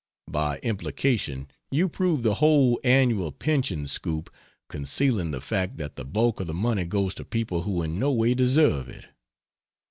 By implication you prove the whole annual pension scoop, concealing the fact that the bulk of the money goes to people who in no way deserve it.